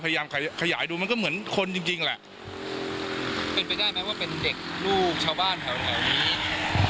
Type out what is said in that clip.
ขยายขยายดูมันก็เหมือนคนจริงจริงแหละเป็นไปได้ไหมว่าเป็นเด็กลูกชาวบ้านแถวแถวนี้